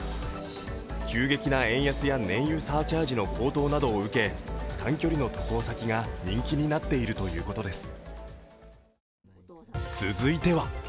急激な円安や燃油サーチャージの高騰などを受け、短距離の渡航先が人気になっているということです。